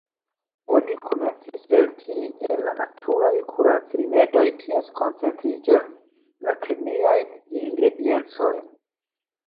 Oni komencis eltiri el la naturaj kurac-rimedoj ties koncentriĝon, la kemiajn ingrediencojn.